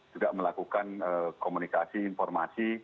juga melakukan komunikasi informasi